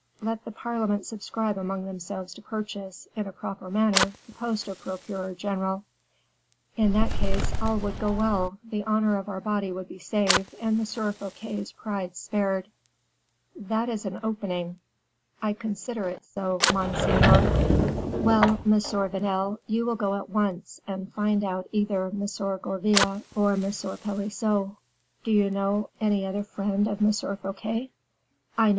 Let the parliament subscribe among themselves to purchase, in a proper manner, the post of procureur general; in that case, all would go well; the honor of our body would be saved, and M. Fouquet's pride spared.'" "That is an opening." "I considered it so, monseigneur." "Well, Monsieur Vanel, you will go at once, and find out either M. Gourville or M. Pelisson. Do you know any other friend of M. Fouquet?" "I know M.